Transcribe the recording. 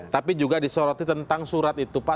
tapi juga disoroti tentang surat itu pak